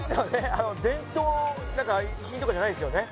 あの伝統品とかじゃないですよね？